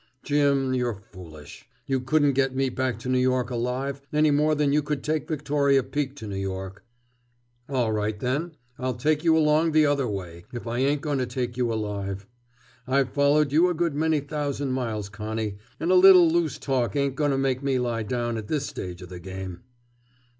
"Jim, you're foolish. You couldn't get me back to New York alive, any more than you could take Victoria Peak to New York!" "All right, then, I'll take you along the other way, if I ain't going to take you alive. I've followed you a good many thousand miles, Connie, and a little loose talk ain't going to make me lie down at this stage of the game."